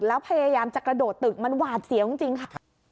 แล้วพยายามจะกระโดดตึกมันหวาดเสียวจริงค่ะ